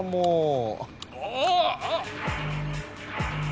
ああ。